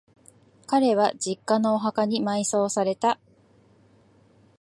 彼は、実家のお墓に埋葬された。